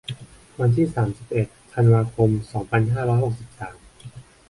วันที่ สามสิบเอ็ด ธันวาคม สองพันห้าร้อยหกสิบสาม